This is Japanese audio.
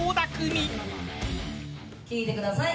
聴いてください。